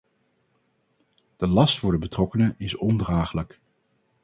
De last voor de betrokkenen is ondraaglijk.